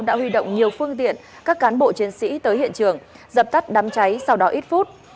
đã huy động nhiều phương tiện các cán bộ chiến sĩ tới hiện trường dập tắt đám cháy sau đó ít phút